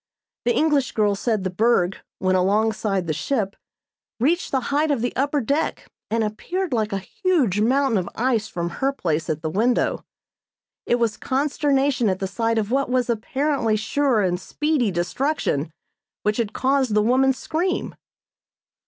The English girl said the berg, when alongside the ship, reached the height of the upper deck and appeared like a huge mountain of ice from her place at the window. It was consternation at the sight of what was apparently sure and speedy destruction which had caused the woman's scream.